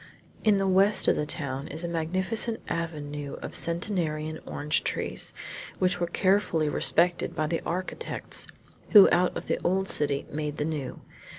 In the west of the town is a magnificent avenue of centenarian orange trees which were carefully respected by the architects who out of the old city made the new.